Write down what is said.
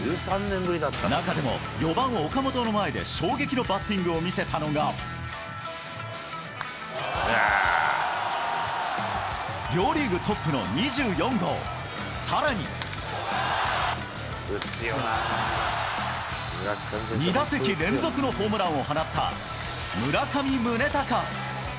中でも４番岡本の前で衝撃のバッティングを見せたのが、両リーグトップの２４号、さらに、２打席連続のホームランを放った村上宗隆。